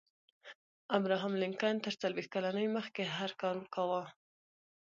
ابراهم لينکن تر څلوېښت کلنۍ مخکې هر کار کاوه.